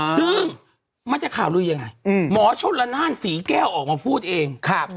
ซึ่งมันจะข่าวลือยังไงหมอชนละนานศรีแก้วออกมาพูดเอง